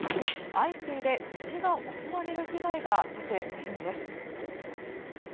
相次いで牛が襲われる被害が出ているんです。